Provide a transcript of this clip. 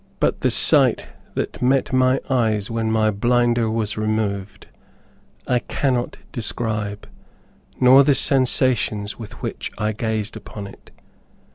But the sight that met my eyes when my blinder was removed, I cannot describe, nor the sensations with which I gazed upon it.